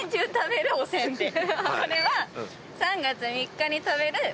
これは。